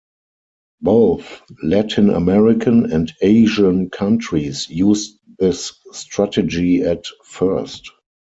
Both Latin American and Asian countries used this strategy at first.